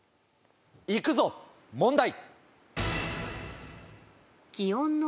行くぞ問題。